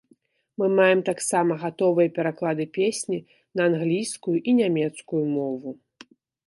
Мы маем таксама гатовыя пераклады песні на англійскую і нямецкую мову.